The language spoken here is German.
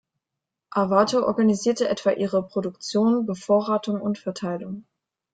Arvato organisiert etwa ihre Produktion, Bevorratung und Verteilung.